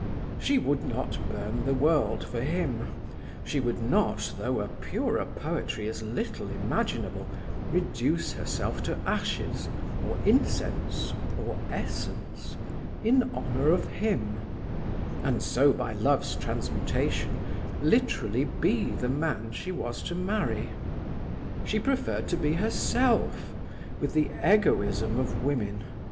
She would not burn the world for him; she would not, though a purer poetry is little imaginable, reduce herself to ashes, or incense, or essence, in honour of him, and so, by love's transmutation, literally be the man she was to marry. She preferred to be herself, with the egoism of women.